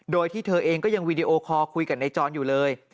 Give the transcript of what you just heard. โดยที่เธอเองก็ยังวีดีโอคอลคุยกับนายจรอยู่เลย